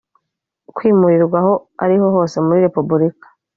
kwimurirwa aho ari ho hose muri Repubulika